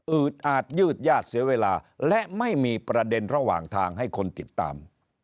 อาจยืดญาติเสียเวลาและไม่มีประเด็นระหว่างทางให้คนติดตาม